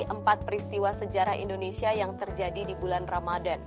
empat peristiwa sejarah indonesia yang terjadi di bulan ramadan